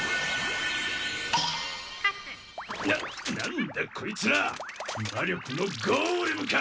かつな何だこいつら魔力のゴーレムか！